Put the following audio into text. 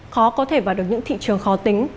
khó có thể vào được những thị trường khó tính